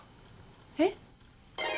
えっ？